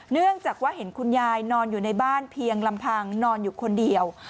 เนื่องจากว่าเห็นคุณยายนอนอยู่ในบ้านเพียงลำพังนอนอยู่คนเดียว